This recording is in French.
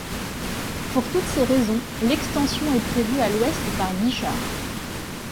Pour toutes ces raisons, l'extension est prévue à l'ouest par Guichard.